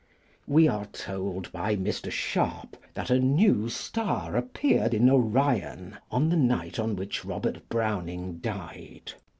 We are told by Mr. Sharp that a new star appeared in Orion on the night on which Robert Browning died.